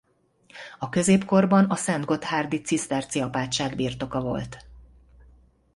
A középkorban a szentgotthárdi ciszterci apátság birtoka volt.